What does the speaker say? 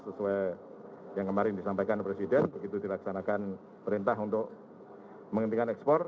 sesuai yang kemarin disampaikan presiden begitu dilaksanakan perintah untuk menghentikan ekspor